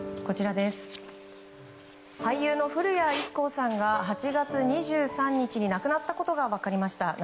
俳優の古谷一行さんが８月２３日に亡くなったことが分かりました。